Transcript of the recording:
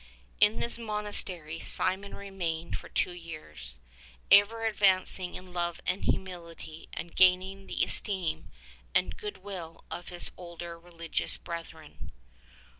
In this monastery Simeon remained for two years, ever advancing in love and humility and gaining the esteem and good will of his older religious brethren.